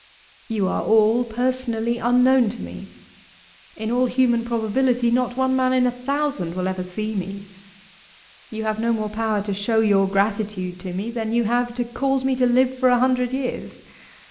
You are all personally unknown to me: in all human probability not one man in a thousand will ever see me. You have no more power to show your gratitude to me than you have to cause me to live for a hundred years.